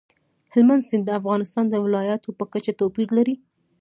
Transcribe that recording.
هلمند سیند د افغانستان د ولایاتو په کچه توپیر لري.